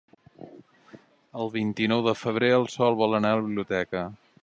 El vint-i-nou de febrer en Sol vol anar a la biblioteca.